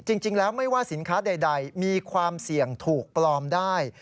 จริงแล้วไม่ว่าสินค้าใดมีความเสี่ยงถูกปลอมได้